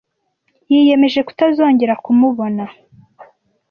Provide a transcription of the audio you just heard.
Yiyemeje kutazongera kumubona.